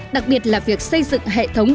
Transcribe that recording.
đặc biệt là việc xây dựng hệ thống